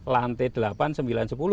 lantai delapan sembilan sepuluh